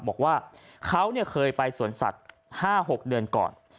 บอกว่าเขาเนี่ยเคยไปสวนสัตว์ห้าหกเดือนก่อน